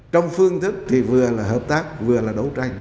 trong phương thức thì vừa là hợp tác vừa là đấu tranh